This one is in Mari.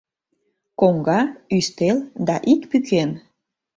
Коҥга, ӱстел да ик пӱкен